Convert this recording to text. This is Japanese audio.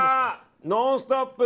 「ノンストップ！」